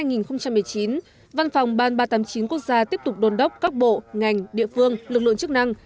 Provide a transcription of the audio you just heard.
năm hai nghìn một mươi chín văn phòng ban ba trăm tám mươi chín quốc gia tiếp tục đồn đốc các bộ ngành địa phương lực lượng chức năng